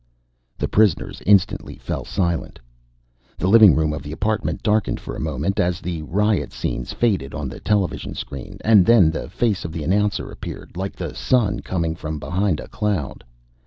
The prisoners instantly fell silent. The living room of the apartment darkened for a moment as the riot scenes faded on the television screen, and then the face of the announcer appeared, like the Sun coming from behind a cloud.